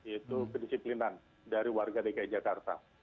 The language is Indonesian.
yaitu kedisiplinan dari warga dki jakarta